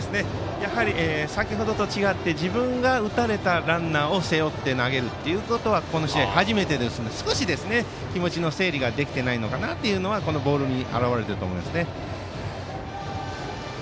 先程と違って自分が打たれたランナーを背負って投げるということはこの試合初めてですので少し気持ちの整理ができていないのかなというのがこのボールに表れていると思います。